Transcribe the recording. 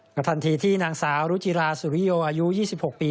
ทันทีที่นางสาวรุจิราสุริโยอายุ๒๖ปี